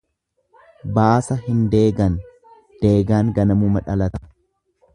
Baasa hin deegan, deegaan ganamuma dhalata.